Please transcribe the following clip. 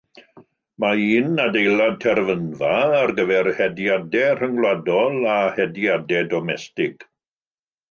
Mae un adeilad terfynfa ar gyfer hediadau rhyngwladol a hediadau domestig.